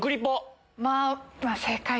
まぁ正解。